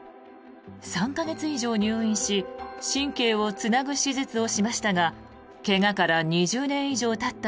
３か月以上入院し神経をつなぐ手術をしましたが怪我から２０年以上たった